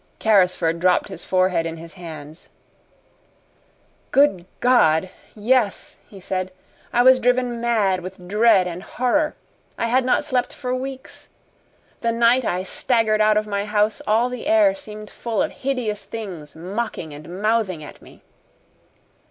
Carrisford dropped his forehead in his hands. "Good God! Yes," he said. "I was driven mad with dread and horror. I had not slept for weeks. The night I staggered out of my house all the air seemed full of hideous things mocking and mouthing at me."